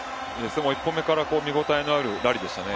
１本目から見応えのあるラリーでしたね。